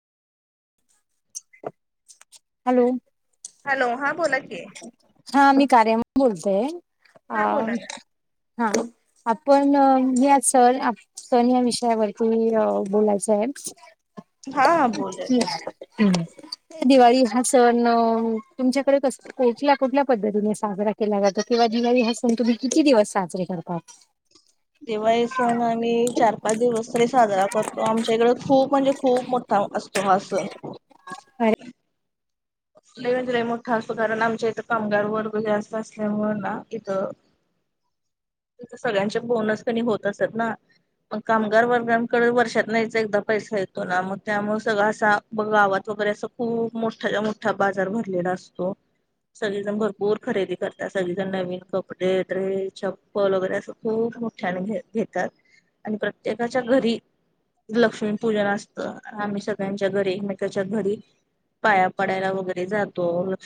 Hello. Hello. हां, बोला की. हा, मी कार्या मधून बोलते. हा अं बोला ना. हा, आपण या [unintelligible] सण या विषयावरती बोलायचंय. हा हा बोलूया. दिवाळी हा सण तुमच्याकडे कस कुठल्या कुठल्या पद्धतीने साजरा केला जातो? किंवा दिवाळी हा सण, तुम्ही किती दिवस साजरे करतात? दिवाळी सण आम्ही चार, पाच दिवस तरी साजरा करतो. आमच्या इकडं खूप म्हणजे खूप मोठ असतो हा सण. [unintelligible] लई म्हणजे लई मोठा असतो, कारण आमच्या इथं कामगार वर्ग जास्त असल्यामुळे ना, इथं [unintelligible] सगळ्यांचे बोनस क नी होत असतेत ना. मग कामगार वर्गांकडे वर्षातन एकदा पैसा येतो ना, मग त्यामुळं सगळं असा मग गावात वगैरे, असं खूप मोठाच्या मोठा बाजार भरलेला असतो. सगळेजण भरपूर खरेदी करतात. सगळेजण नवीन कपडे, ड्रेस, चप्प ल वगैरे, असं खूप मोठ्याने घ घेतात आणि प्रत्येकाच्या घरी लक्ष्मीपूजन असत. आम्ही सगळ्यांच्या घरी एकमेकाच्या घरी पाया पडायला वगैरे जातो.